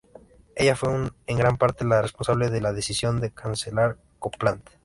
Ella fue en gran parte la responsable de la decisión de cancelar Copland.